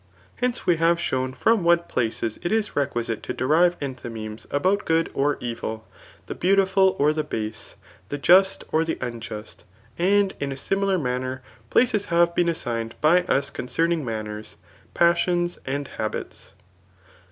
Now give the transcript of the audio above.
Henci^, we have shown from what places it is requi^te to derive enthymemes about good or evil, the beautiful or the base, the just, or the unjust ; and in a similar manner places have been assigned by us concern* ing manners, psis^ons and habits.